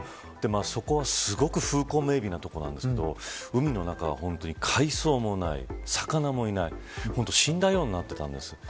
そこはすごく風光明媚な所なんですけど海の中は本当に海藻もない魚もいない死んだようになっていたんです。